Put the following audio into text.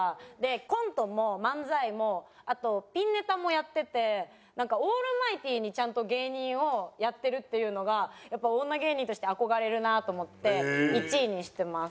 コントも漫才もあとピンネタもやっててオールマイティーにちゃんと芸人をやってるっていうのがやっぱ女芸人として憧れるなと思って１位にしてます。